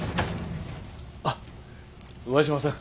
あっ上嶋さん。